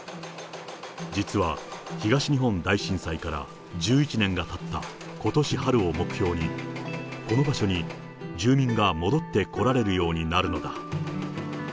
実は、東日本大震災から１１年がたったことし春を目標に、この場所に住民が戻ってこられるようになるのだ。